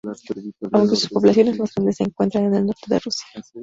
Aunque sus poblaciones más grandes se encuentran en el norte de Rusia.